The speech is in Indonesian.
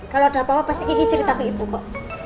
kalau ada apa apa pasti kiki ceritakan ke ibu bu